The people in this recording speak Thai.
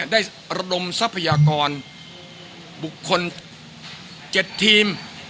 ระดมทรัพยากรบุคคล๗ทีม